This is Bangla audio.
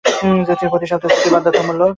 প্রতি সপ্তাহে ছুটি বাধ্যতামূলক!